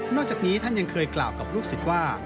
จากนี้ท่านยังเคยกล่าวกับลูกศิษย์ว่า